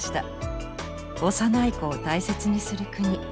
幼い子を大切にする国。